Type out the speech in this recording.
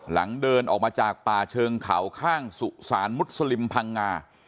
เดินออกมาจากป่าเชิงเขาข้างสุสานมุสลิมพังงา